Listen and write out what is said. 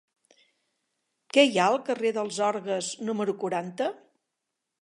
Què hi ha al carrer dels Orgues número quaranta?